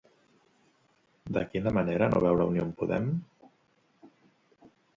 De quina manera no veu la unió amb Podem?